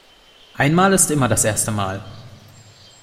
Einmal ist immer das erste Mal.